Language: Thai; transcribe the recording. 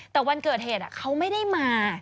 แต่วันเกิดเหตุเขาไม่ได้มา